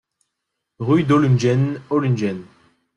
Rue d'Ohlungen, Ohlungen